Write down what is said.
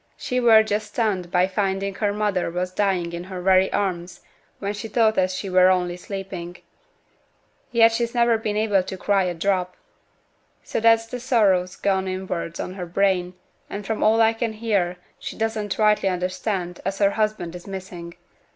She were just stunned by finding her mother was dying in her very arms when she thought as she were only sleeping; yet she's never been able to cry a drop; so that t' sorrow's gone inwards on her brain, and from all I can hear, she doesn't rightly understand as her husband is missing.